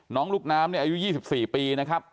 น้องลูกน้ำเนี่ยอายุยี่สิบสี่ปีนะครับ